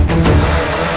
di luar panas